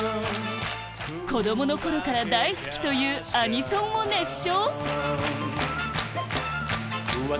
子供の頃から大好きというアニソンを熱唱